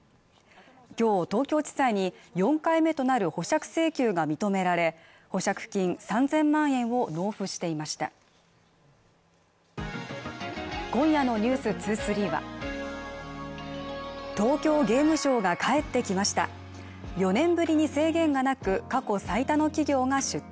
今日東京地裁に４回目となる保釈請求が認められ保釈金３０００万円を納付していました今夜の「ｎｅｗｓ２３」は東京ゲームショウが帰ってきましたパッとツヤっとピーン！